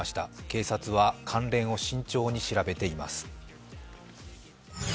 警察は関連を慎重に調べています。